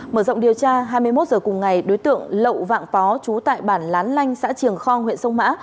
mở rộng điều tra hai mươi một h cùng ngày đối tượng lậu vạng phó trú tại bản lán lanh xã triềng khong huyện sông mã